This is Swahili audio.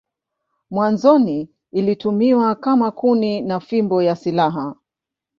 Mwanzoni ilitumiwa kama kuni na fimbo ya silaha.